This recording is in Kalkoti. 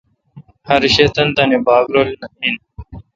ھر شے°تانی تانی باگ رل این۔